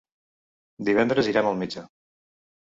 Divendres irem al metge.